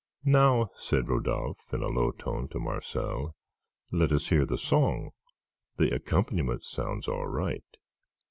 "Now," said Rodolphe, in a low tone, to Marcel, "let us hear the song. The accompaniment sounds all right."